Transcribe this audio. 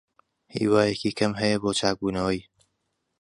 هیوایەکی کەم هەیە بۆ چاکبوونەوەی.